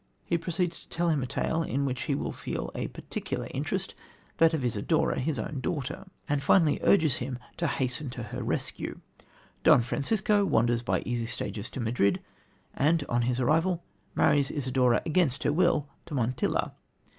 He proceeds to tell him a tale in which he will feel a peculiar interest, that of Isidora, his own daughter, and finally urges him to hasten to her rescue. Don Francisco wanders by easy stages to Madrid, and, on his arrival, marries Isidora against her will to Montilla.